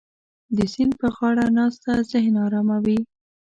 د سیند په غاړه ناسته ذهن اراموي.